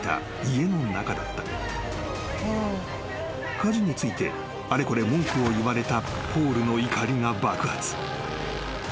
［家事についてあれこれ文句を言われたポールの怒りが爆発］